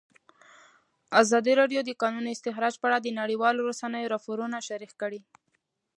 ازادي راډیو د د کانونو استخراج په اړه د نړیوالو رسنیو راپورونه شریک کړي.